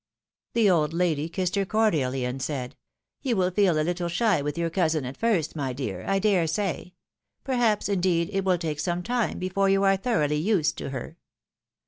The old lady kissed her cordially, and said, " You will feel a little shy with your cousin at first, my dear, I dare say ; perhaps, indeed, it will take some time before you are thoroughly used to her.